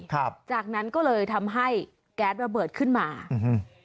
ครับจากนั้นก็เลยทำให้แก๊สระเบิดขึ้นมาอืม